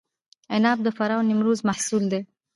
عناب د فراه او نیمروز محصول دی.